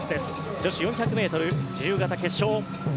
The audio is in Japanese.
女子４００ｍ自由形決勝。